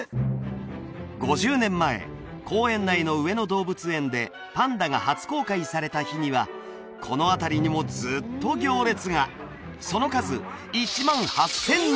５０年前公園内の上野動物園でパンダが初公開された日にはこの辺りにもずっと行列がその数１万８０００人！